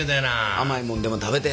甘いもんでも食べて。